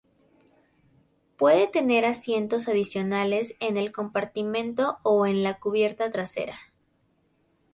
Puede tener asientos adicionales en el compartimento o en la cubierta trasera".